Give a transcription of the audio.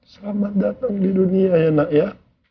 selamat datang di dunia ya nak ya